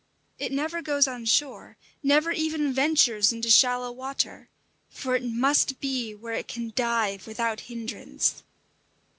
It never goes on shore, never even ventures into shallow water; for it must be where it can dive without hindrance.